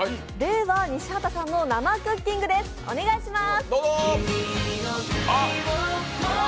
西畑さんの生クッキングです、お願いします。